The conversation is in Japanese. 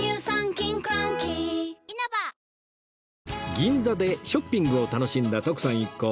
銀座でショッピングを楽しんだ徳さん一行